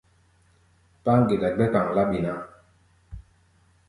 Páŋ geɗa gbɛ́ kpaŋ-láɓi ná.